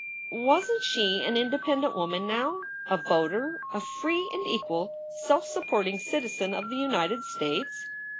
Wasn t she an independent woman now, a voter, a free and equal self supporting citizen of the United States?